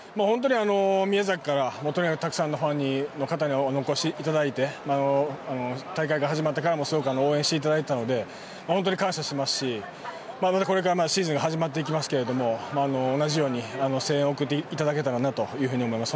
宮崎からたくさんのファンの方にお越しいただいて大会が始まってからも応援していただいていたので本当に感謝してますしこれからシーズンが始まっていきますけど同じように声援を送っていただけたらなと思います。